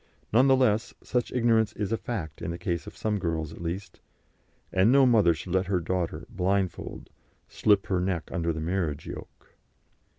None the less, such ignorance is a fact in the case of some girls at least, and no mother should let her daughter, blindfold, slip her neck under the marriage yoke.